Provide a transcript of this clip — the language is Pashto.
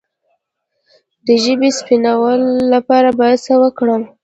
د ژبې د سپینوالي لپاره باید څه وکړم؟